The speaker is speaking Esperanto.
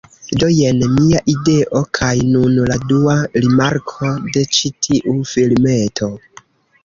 Do jen mia ideo, kaj nun la dua rimarko de ĉi tiu filmeto